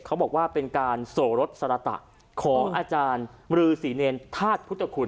เขาบอกว่าเป็นการโสรสสรตะของอาจารย์มรือศรีเนรธาตุพุทธคุณ